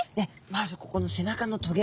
まずここの背中の棘。